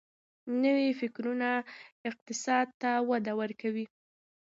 نوي فکرونه اقتصاد ته وده ورکوي.